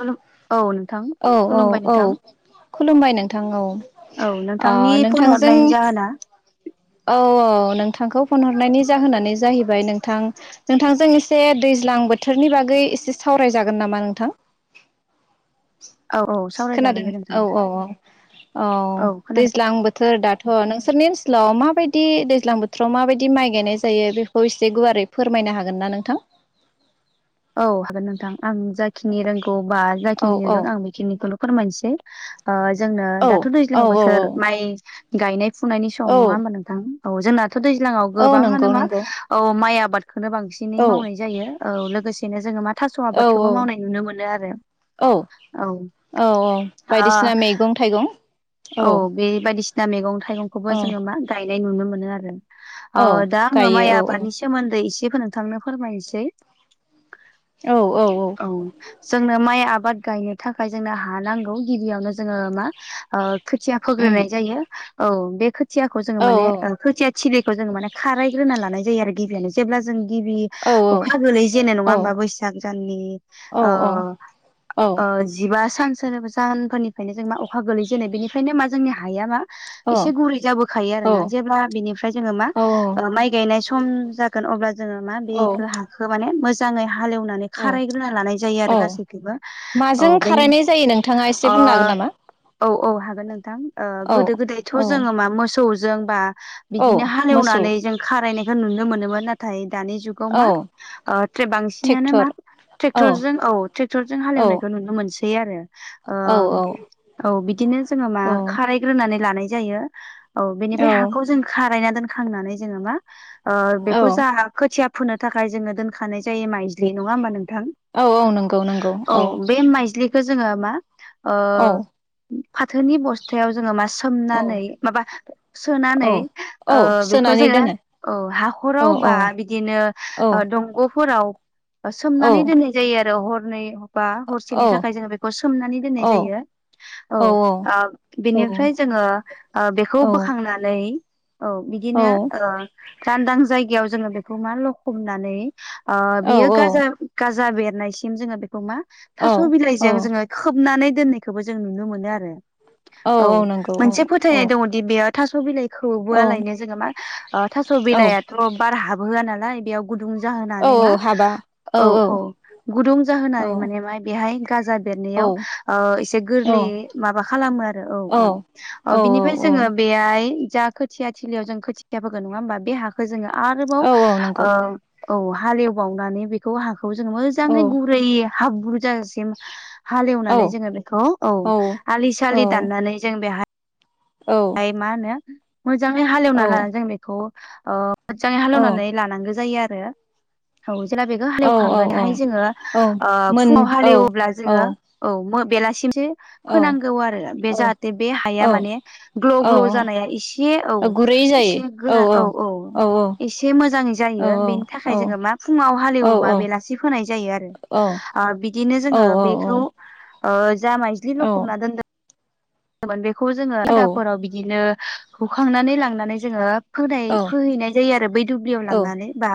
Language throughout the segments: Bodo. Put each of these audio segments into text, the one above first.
खुलुम औ नोंथां औ औ खुलुमबाय औ नोंथां खुलुमबाय नोंथां औ औ ओ नोंथांनि फन नोंथांजों हरनायनायनि जाहोना? औ औ नोंथांखौ फन हरनायनि जाहोनानो जाहैबाय नोंथां नोंथांजों एसे दैज्लां बोथोरनि बागै एसे सावरायजागोन नामा नोंथां? औ औ [inaudible] खोनादों सावरायजागोन दे नोंथां औ औ औ औ दैज्लां बो थोर दाथ' नोंसोरनि ओनसोव मा बायदि दैज्लां बोथोराव माबायदि माइ गायनाय जायो बेखौ एसे गुवारै फोरमायनो हागोन ना नोंथां? [inaudible] औ हागोन नोंथां आं जाखिनि रोंगौ बा औ जाखिनि औ नुदों आं बेखिनिखौल' फोरमायनोसै। ओ जोंनो औ दाथ' औ दैज्लां औ बोसोर माइ गायनाय फुनायनि औ सम नङा होमबा नोंथां? औ जोंनाथ' दैज्लाङाव औ नंगौ गोबाङानो मा नंगौ औ माइ आबादखौनो बांसिन बिनै औ मावनाय जायो औ लोगोसेनो जोङो मा थास' औ औ आबादखौबो मावनाय नुनो मोनो आरो। औ औ औ औ ओ बायदिसिना मैगं थाइगं औ बे बायदिसिना मैगं थाइगंखौबो औ जोङो मा गायनाय नुनो मोनो आरो। औ ओ दा आङो माइ गायो औ आबादनि सोमोन्दै एसे नोंथांनो फोरमायनोसै। औ औ औ औ जोंनो माइ आबाद गायनो थाखाय जोंनो हा नांगौ गिबियावनो जोङो मा ओ खोथिया उम फोग्रोनाय जायो औ बे खोथियाखौ जोङो औ माने ओ खो थिलिखौ जों माने खारायग्रोना लानाय जायो आरो गिबियानो। जेब्ला जों गिबि औ अखा गोलै जेनो नङा औ होमबा बैसाग दाननि औ ओ औ ओ जिबा सान सोरबा सानफोरनिफ्रायनो जों मा अखा गोलै जेननाय बेनि जोंनि हाया मा एसे गुरै जाबोखायो आरोना जेब्ला बिनिफ्राय जोङो मा औ ओ माइ गायनाय सम जागोन अब्ला जोङो मा बेखौ हाखो माने मोजाङै हालेवनानै औ खारायग्रोना लानाय जायो आरो औ गासैखौबो औ माजों बेनि खारायनाय जायो नोंथाङा एसे अ बुंनो हागोन नामा? औ औ हागोन नोंथां ओ औ गोदो गोदायथ' औ जोङो मा मोसौजों बा औ बिदिनो मोसौ हालेवनानै जों खारायनायखौ नुनो मोनोमोन नाथाय दानि जुगाव औ मा ओ बांसिनानो मा ट्रेक्टर ट्रेक्टरजों औ ट्रेक्टरजों औ हालेवनायखौ नुनो मोन सै आरो ओ औ औ बिदिनो जोङै मा खा रायग्रोनानै लानाय जायो औ बेनिफ्राय हाखौ जों खारायना दोनखांनानै जोङो मा ओ औ बेखौ जा खोथिया फोनो थाखाय जोङो दोनखानाय जायो माइज्लि नङा होमबा नोंथां? औ औ नंगौ नंगौ औ खो जोङो मा ओ औ फाथोनि बस्थायाव जोङो मा औ सोमनानै माबा औ सोनानै औ ओ बेखौ सोनानै जोङो दोनो औ औ हाखराव बा औ बिदिनो औ ओ दंग'फोराव ओ औ सोमनानै दोननाय जायो आरो हरनै बा हरसेनि औ थाखाय जोङो बेखौ सोमनानै औ औ दोननाय जायो औ ओ औ बिनिफ्राय जोङो ओ औ बेखौ बोखांनानै औ बिदिनो ओ लांदां जायगायाव जोङो बेखौ मा लखबनानै ओ बेयो गाजा गाजा बेरनायसिम जोङो बेखौ मा औ थास' बिलाइजों जोङो खोबनानै दोननायखौबो जों नुनो मोनो आरो औ नंगौ औ मोनसे औ फोथायनाय दङ बेयाव थास' बिलाइखोबो औ आलायनो जोङो मा ओ थास' औ बिलाइ खौ बार हाबहोआ नालाय बेयाव गुदुं जाहोनानै मा औ औ गुदुं औ जाहोनानै माने मा बेहाय गाजा औ बेनायाव एसे गोरलै माबा खामो आरो औ औ ओ बिनिफाय औ जोङो बेहाय जा खोथिया थिलियाव जों खोथिया फोगोन नङा होमबा बे हा खौ जोङो आरोबाव औ औ नंगौ ओ औ हालेवबावनानै बेखौ हा जों औ मोजाङै गुरै हाब्रु जा औ हालेवनानै औ जोङो बेखौ औ आलि सालि दाननानै जों बेहाया औ मा होनो मोजाङै हालेवना लानानै जों बेखौ ओ मोजाङै हालेवनानै लानांगो जायो आरो। औ जेला बेखौ औ हालेवखांगोनहाय जोङो औ ओ मोन फुङाव औ हालेवब्ला औ जोङो औ बेलासिमसो औ फोनांगौ आरो बे जाहाथे बे औ हाया माने ग्ल' औ ग्ल' जानाया एसे औ एसे गोरान औ औ एसे मोजाङै औ जायो बेनि थाखाय औ जोङो मा फुङाव औ हालेवबा औ बेलासि फोनाय जायो आरो। ओ बिदिनो जोङो बेखौ ओ जा माइज्लि लखबना दोनदों बेखौ जोङो औ-औ-औ-औ-औ-औ-औ-औ-औ-औ-औ-औ-औ खादाफोराव बिदिनो हुखांनानै लांनानै जोङो फोनाय फोहैनाय जायो आरो बै दुब्लियाव लांनानै बा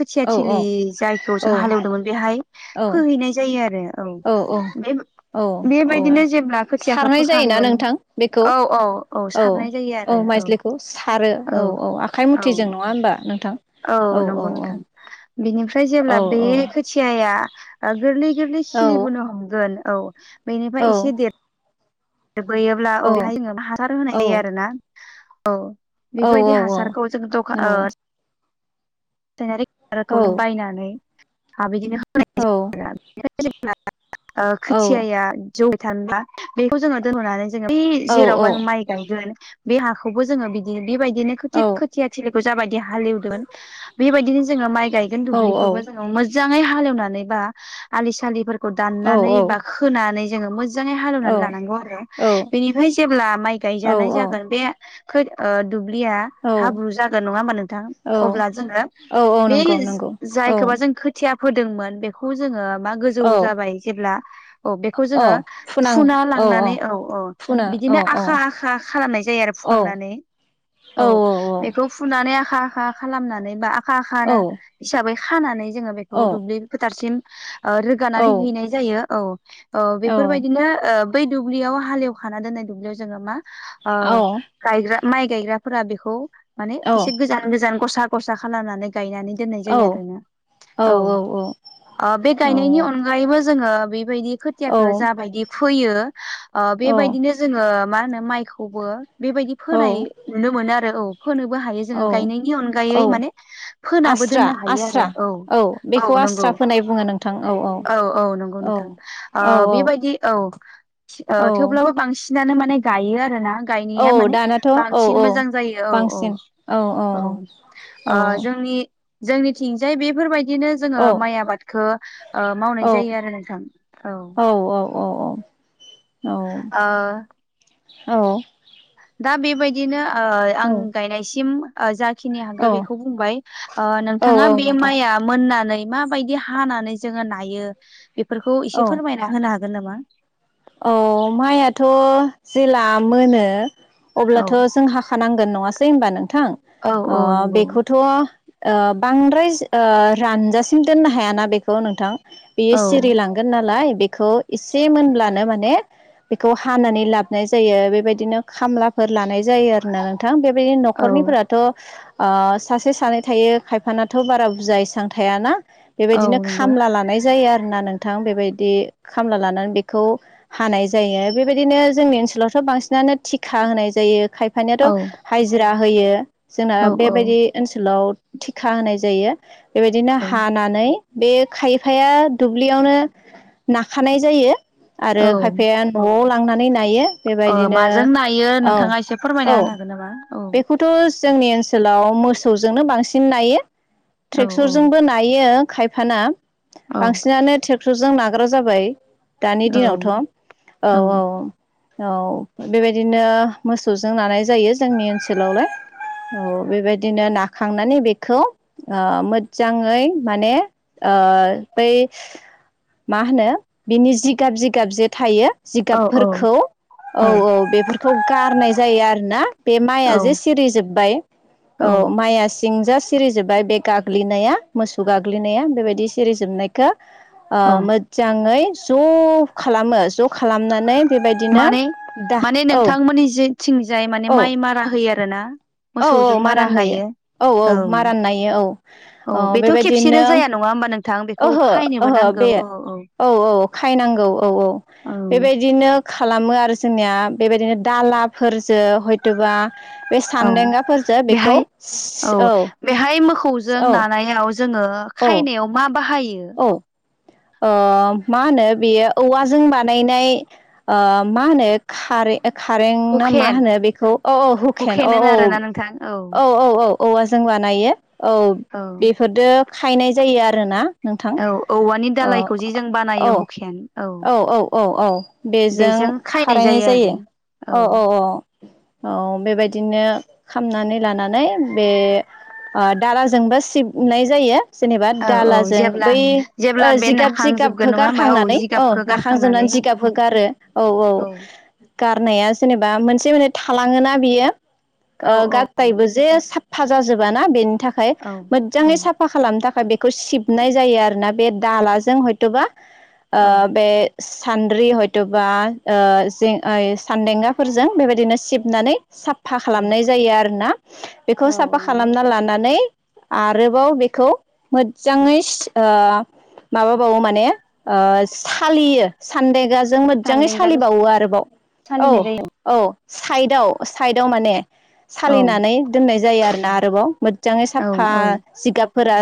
खोथियाथिलि जायखौ जों हालेवदोंमोन बेहाय फोहैनाय जायो आरो औ औ बे औ औ बेबायदिनो जेब्ला सार खोथियाखौ नाय जायोना फोखांगोन नोंथां बेखौ औ औ औ सारनाय जायो औ आरो माइजलिखौ सारो औ औ आखाइ औ मुथिजों नङा होनोमबा नोंथां? औ नंगौ नोंथां बिनिफ्राय औ जेब्ला बे खोथियाया ओ गोरलै गोरलै औ सिलिबोनो होमगोन औ बेनिफाय औ एसे देर फोयोब्ला औ बेहाय जोङो हासार होनाय औ जायो आरो ना औ औ बेबायदि औ औ हासारखौ जों दखान ओ [unintelligible] खौ औ औ बायनानै [unintelligible] ओ खोथियाया [unintelligible] बै जेरावबा माइ गायगोन बे हाखौबो जोङो बिदि बेबायदिनो थिग खोथिया थिलिखौ जाबायदि हालेवगोन बेबायदिनो जोङो माइ गायगोन दुब्लिखौबो जों मोजाङै हालेवनानै बा आलि सलिफोरखौ दाननानै बा खोनानै जोङो मो जाङै हालेवनानै लानांगौ आरो बेनिफ्राय जेब्ला माइ गायजानाय जागोन बे खोद ओ दुब्लिया औ हाब्रु जागोन नङा होमबा नोंथां? औ अब्ला जोङो औ औ बे नंगौ नंगौ औ जायखौबा जों खो थिया फोदोंमोन बेखौ जोङो मा जौ औ जाबाय जेब्ला औ बेखौ जोङो फुना ला नानै औ औ फुना औ बिदिनो औ आखा आखा खालामनाय जायो आरो औ फुखांनानै। औ औ बेखौ औ फुनानै आखा आखा खालामनानै बा आखा औ आखानो हिसाबै खानानै जोङो औ बेखौ दुब्लि फोथारसिम ओ औ रोगानानै हैनाय जायो औ औ बेफोरबायदिनो ओ बै दुब्लियाव हालेवखाना दोननाय दुब्लियाव जोङो मा ओ औ गायग्रा माइ गायग्राफोरा बेखौ माने एसे गोजान गोजान गसा गसा खालामनानै गनानै दनाय जायो आरो औ ओ बे गायनायनि अन आगायबो जोङो बेबायदि खोथियाखो जाबायदि फोयो आ बेबायदिनो जोङो मा होनो माइखौबो बेबायदि औ फोनाय नुनो मोनो आरो औ फोनोबो हायो जोङो औ गायनायनि औ अनगायै माने फोनाबो आस्रा दोननो हायो आस्रा आरो औ बेखौ औ नंगौ आस्रा फोनाय बुङो नोंथां औ औ नंगौ नोंथां आ औ बेबायदि औ औ आं थेवब्लाबो बांसिनानो माने गायो आरो ना। औ गायनाया माने दानाथ' औ बांसिन औ मोजां जायो औ औ औ औ ओ जोंनि जोंनिथिंजाय बेफोरबायदिनो जोङो माइ आबादखौ ओ मावनाय औ जायो आरो नोंथां औ अ अ औ ओ औ दा बेबायदिनो आ औ आं गायनायसिम जाखिनि औ हागो बिखो बुंबाय ओ औ नोंथांआ औ बे नोंथां माया मोननानै माबायदि हानानै जोङो नायो बेफोरखौ औ एसे फोरमायना होनो हागोन नामा? औ माइआथ' जेला मोनो औ अब्लाथ' जों हाख खानांगोन नङासै होनबा नोंथां औ औ नंगौ बेखौथ' ओ बांद्राय ओ रानजासिम दोननो हायाना बेखौ नोंथां बियो औ सिरिलां नालाय बेखौ एसे मोनब्लानो माने बेखौ हानानै लाब जायो बेबायदिनो खामलाफोर लानाय जायो आरो ना नोंथां बेबायदिनो औ न'खरनिफोराथ' ओ सासे सानै थायो खायफानाथ' बारा बुरजा इसां थायाना औ बेबायदिनो नंगौ खामला लानाय जायो आरोना नोंथां बेबायदि खामला लानानै बेखौ हानाय जायो बेबायदिनो जोंनि ओनसोलावथ' बांसिनानो थिखा होनाय जायो खायफानियाथ' औ हाजिरा होयो जोंना औ औ बेबायदि ओनसोलाव थिखा होनाय जायो। बेबायदिनो औ हानानै बे खायफाया दुब्लियावनो नाखानाय जायो आरो औ खायफाया न'आव लांनानै नायो। अ बेबायदिनो माजों नायो औ नोंथाङा एसे औ फोरमायना होनो हागोन नामा? औ बेखौथ' जोंनि ओनसोलाव मोसौजोंनो बांसिन नायो औ ट्रेक्टरजोंबो औ खायफाना औ बांसिनानो टेक्टरजों नाग्रा जाबाय दानि औ दिनावथ' औ औ औ बेबायदिनो मोसौजों लानाय जायो जोंनि ओनसोलावलाय औ बेबायदिनो नाखांनानै बेखौ ओ मोजाङै माने बै मा होनो बिनि जिगाब जिगाब जे थायो औ जिगाबफोरखौ औ औ बेफोरखौ गारनाय जायो आरो ना बे माइआ जे औ सिरिजोब्बाय औ माइया सिरिजोबबाय बे गाग्लिनाया मोसौ गाग्लिनाया बेबायदि सिरिजोबनाय औ मोजाङै ज' खालामो ज' खालामनानै बेबायदिनो माने दा माने औ नोंथांमोननि जेथिंजाय माने औ माइ मारा होयो आरो ना मोसौजों मारा होयो नायो। औ औ मारा नायो औ औ बेथ' खेबसेनो बेबायदिनो जाया नङा होमबा नोंथां बेखौ ओहो खायनोबो ओहो नांगौ बे औ औ औ खायनांगौ औ औ बेबायदि बिदिनो खालामो आरो जोंनिया बेबायदिनो दालाफोरजों हयथ'बा बे औ सान्देंगाफोरजों बेखौ बेहाय औ बेहाय मोसौजों औ नानायाव जोङो औ खायनायाव मा बाहायो? [inaudible] ओ मा होनो बेयो औवाजों बानायनाय ओ मा होनो खारै खारें मा हुखेन होनो बेखौ अ औ हुकेन अ औ थां औ औ औ औ औवाजों बानायो औ बेफोरद खायनाय जायो आरोना नोंथां औ औवा औ औ औ औ औ औ बेजों खारायनाय जायो। अ अ अ औ बेबायदिनो खामनानै लानानै बे ओ दालाजोंबो सिबनाय जायो जेनेबा औ औ दालाजों जेब्ला बै औ जेब्ला बे जिगाब जिगाब नाखांजोबगोन नङा होमबा होगारखांनानै औ जिगाबखौ गारखांनानै नाखांजोबनानै जिगाब होोगारो औ औ। गारनाया जेनेबा मोनसे मोनसे थालाङोना बियो औ औ ग। ायबो जे साफा जाजोबाना बेनि थाखाय औ मोजाङै साफ साफा खालामनो थाखाय बेखौ सिबनाय जायो आरोना बे दालाजों हयथ'बा औ बे। सान्द्रि हयथ'बा ओ जें ओ सानदेंगाफोरजों बेबायदिनो सिबनानै। साफा औ खालामनाय जायो आरोोना बेखौ साफा नंगौ खालामना लानानै। आरोबाव बेखौ मोजाङै सि ओ माबाबावो माने ओ सालियो। सानदेगाजों मोजाङै सानदेंगाजों सालिबावो आरोबाव औ। सालिनाय जायो औ साइदआव साइदाव माने औ साालायनानै दोननाय जायो आरोना आरोबाव। मोजाङै औ साफा औ जिगाबफोरा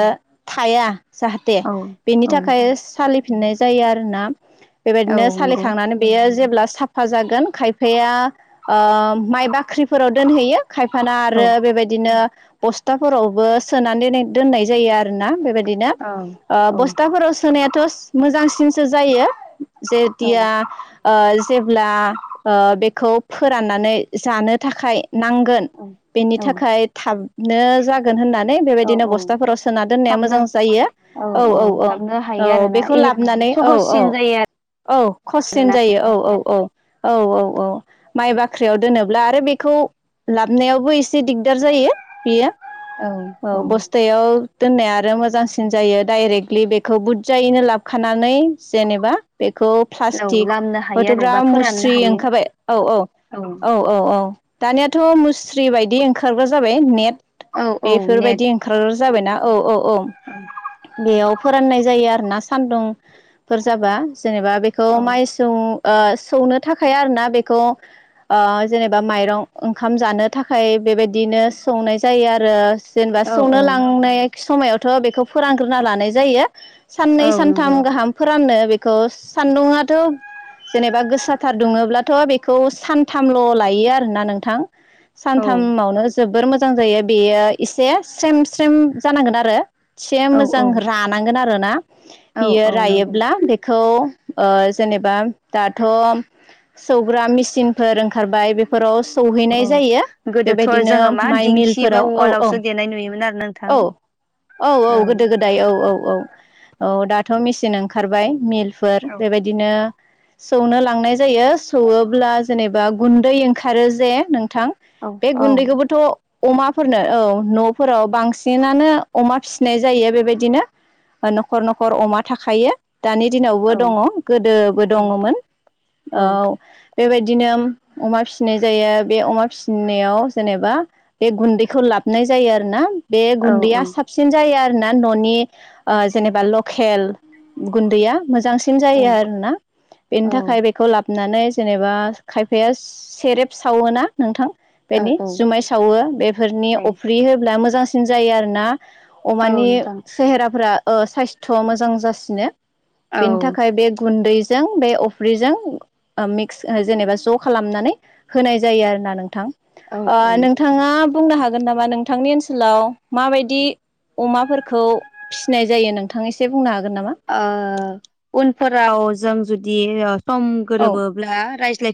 थाया जाहाथे औ बेनि औ थाखाय। सालिफिननाय जायो आरोना औ बेबायदिनो नंगौ सालिखांनानै। बेयो जेब्ला साफा जागोन खायफाया ओ माइ बाख्रिफोराव दोनहैयो। खायफाना आरो औ बेबायदिनो बस्थाफोरावबो सोनानै दोन दोननाय जायो आरोना बेबायदिनो। औ बिदिनो ओ औ बस्थाफोराव सोनायाथ' मोजांसिनसो जायो। औ सेथिया। ओ जेब्ला ओ बेखौ फोराननानै जानो थाखाय नांगोन। बेनि औ थाखाय थाबनो जागोन। होननानै औ बेबायदिनो औ बस्थाफोराव सोना दोननाया थाबनो मोजां जायो औ औ। औ थाबनो औ हायो आरोना बेखौ ए लाबोनानै औ औ। सहससिन जायो औ खस्सिन आरोना जायो औ औ औ औ औ औ। माइ बाख्रियाव दोनोब्ला आरो बेखौ लाबनायावबो एसे दिगदार जायो बियो। औ बस्थायाव दोननाया आरो मोजांसिन जायो डाइरेक्ट। लि बेखौ बुरजायैनो लाबखानानै जेनेबा बेखौ। औ प्लास्टिक लामनो हायो आरो हयथ'ब्रा बा फोराननो मुस्रि हायो ओंखारबाय औ औ औ। औ औ दानियाथ' मुस्रि बायदि ओंखारग्रा जाबाय नेट औ औ बेफोरबायदि। ओखार जाबायना औ औ औ। ओम। बेयाव फोराननाय जायो आरोना सान्दुंफोर जाबा जेनेबा बेखौ औ माइ। जों सौनो थाखाय आरोना बेखौ। ओ जेनेबा माइरं ओंखाम जानो थाखाय बेबायदिनो सौनाय जायो आरो। जेनेबा औ संनो औ लांनाय समायावथ' बेखौ फोरानग्रोना लानाय जायो। औ साननै नंगौ सानथाम गाहाम फोराननो बेखौ सान्दुंआथ'। जेनेबा गोसाथार दुङोब्लाथ' बेखौ सानथामल' लायो आरोना नोंथां। औ सानथामावनो जोबोर मोजां जायो बेयो एसे स्रेम स्रेम जानांगोन आरो। एसे औ मोजां औ रानांगोन आरोना औ बियो औ नंगौ रायोब्ला बेखौ। ओ जेनेबा दाथ' सौग्रा मेसिनफोर ओंखारबाय बे। अ गोदोथ' बेबायदिनो जोङो मा माइ दिंखि बा मिलफोराव औ औ उवालावसो देनाय नुयोमोन आरो नों थां। औ औ औ गोदो गोद दाय औ औ औ औ दाथ' मेसिन ओंखारबाय मिलफोर औ बेबायदिनो। सौनो लांनाय जायो सौवोबब्ला जेनेबा गुन्दै ओंखारो जे नोंथां। औ बे औ गुन्दैखौबोथ'। अमाफोरनो औ न'फोराव बांसिनानो अमा फिसिनाय जायो बेबायदि। बिदिनो न'खर न'खर अमा थाखायो। दानि दिनावबो औ दङ गोदोबो औ दङमोन औ। बेबायदिनो अमा फिसिनाय जायो बे अमा फिसिनायाव जेनेबा बे गुन्दैखौ लाबनाय जायो आरो ना बे औ गुन्दैया साबसिन जायो आरो ना न'नि जेनेबा लकेल गुन्दैया मोजां सिन जायो आरोना। बेनि थाखाय बेखौ लाब बोनानै जेनेबा खायफाया सेरेब सावोना नोंथां औ बेनि जुमाय सावो बेफोरनि औ अफ्रि होब्ला मोजांसिन जायो आरोना। औ अमानि नोंथां सेहेराफोरा ओ साइस्थ' मोजां जासिनो औ बेनि थाखाय बे गुन्दै जों बे अफ्रिजों ओ मिक्स जेनेबा ज' खालामनानै होनाय जायो आरो ना नोंथां। औ औ ओ नोंथाङा बुंनो हागोन नामा नोंथांनि ओनसोलाव माबायदि अमाफोर खौ फिसिनाय जायो नोंथां एसे बुंनो हागोन नामा? ओ उनफोराव जों जुदि सम औ गोरोबोब्ला रायज्लाय